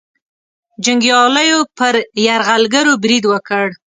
جنګیالیو پر یرغلګرو برید وکړ.